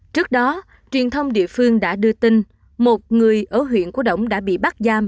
trước đó truyền thông địa phương đã đưa tin một người ở huyện của đỗng đã bị bắt giam